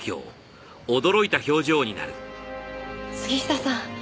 杉下さん